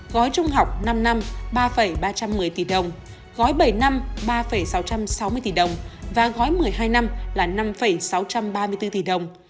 gói trung học năm năm ba trăm một mươi tỷ đồng gói bảy năm ba sáu trăm sáu mươi tỷ đồng và gói một mươi hai năm là năm sáu trăm ba mươi bốn tỷ đồng